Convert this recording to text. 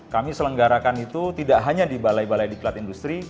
kami selenggarakan itu tidak hanya di balai balai diklat industri